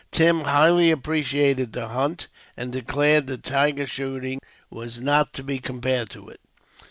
Tim highly appreciated the hunt, and declared that tiger shooting was not to be compared to it.